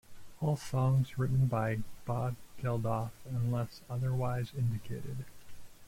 All songs written by Bob Geldof unless otherwise indicated.